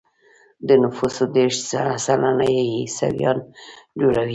د نفوسو دېرش سلنه يې عیسویان جوړوي.